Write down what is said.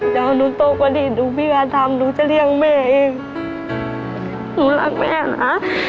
เดี๋ยวหนูโตกว่านี้ดูพี่ก็ทำหนูจะเลี้ยงแม่เองหนูรักแม่นะ